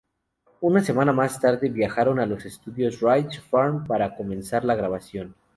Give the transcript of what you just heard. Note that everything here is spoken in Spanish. Una semana más tarde viajaron a los estudios Ridge Farm para comenzar la grabación.